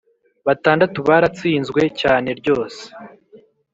batandatu baratsinzwe cyane ryose